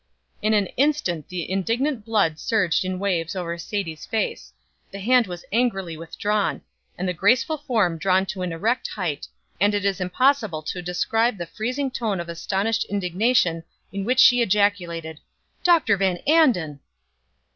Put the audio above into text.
In an instant the indignant blood surged in waves over Sadie's face; the hand was angrily withdrawn, and the graceful form drawn to an erect hight, and it is impossible to describe the freezing tone of astonished indignation in which she ejaculated, "Dr. Van Anden!"